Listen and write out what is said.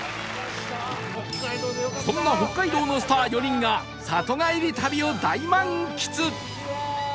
そんな北海道のスター４人が里帰り旅を大満喫